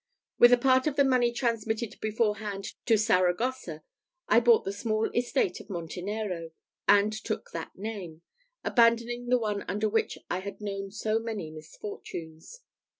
With a part of the money transmitted beforehand to Saragossa, I bought the small estate of Montenero, and took that name, abandoning the one under which I had known so many misfortunes.